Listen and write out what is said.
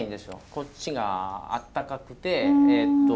こっちがあったかくてえっと